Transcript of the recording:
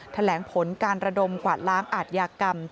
แถลงผลการระดมกวาดล้างอาทยากรรม